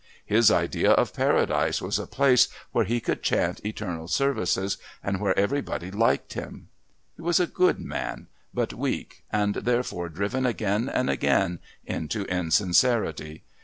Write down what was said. His idea of Paradise was a place where he could chant eternal services and where everybody liked him. He was a good man, but weak, and therefore driven again and again into insincerity.